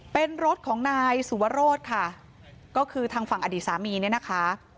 เป็นรถของนายสุวรสค่ะก็คือทางฝั่งอดีตสามีเนี่ยนะคะ